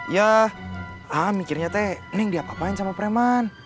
ya mikirnya teh neng diapa apain sama preman